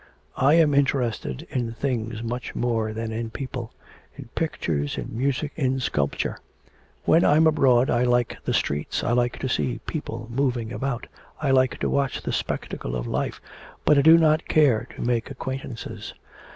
I am interested in things much more than in people in pictures, in music, in sculpture. When I'm abroad I like the streets, I like to see people moving about, I like to watch the spectacle of life, but I do not care to make acquaintances.